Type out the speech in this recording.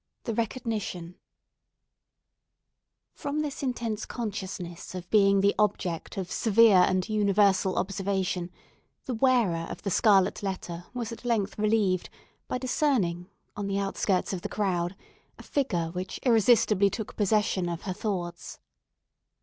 III. THE RECOGNITION From this intense consciousness of being the object of severe and universal observation, the wearer of the scarlet letter was at length relieved, by discerning, on the outskirts of the crowd, a figure which irresistibly took possession of her thoughts.